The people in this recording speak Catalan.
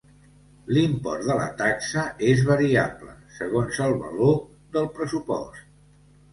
L'import de la taxa és variable, segons el valor del pressupost.